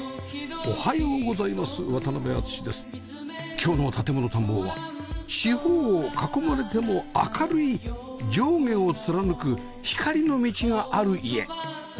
今日の『建もの探訪』は四方を囲まれても明るい上下を貫く光の道がある家